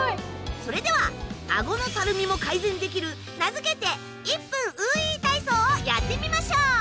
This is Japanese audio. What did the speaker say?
それでは顎のたるみも改善できる名付けて。をやってみましょう。